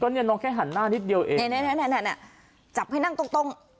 เนี่ยน้องแค่หันหน้านิดเดียวเองจับให้นั่งตรงตรง